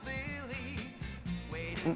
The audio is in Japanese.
うん？